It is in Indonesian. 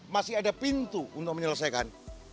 masih ada pintu untuk menyelesaikan